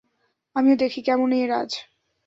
আমিও দেখি কেমন এ রাজ।